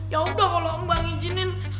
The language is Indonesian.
yaudah kalo om bang izinin